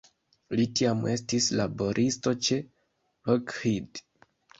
Li tiam estis laboristo ĉe Lockheed.